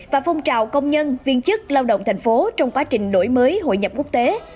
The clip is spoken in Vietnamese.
và phong trào công nhân viên chức lao động thành phố trong quá trình đổi mới hội nhập quốc tế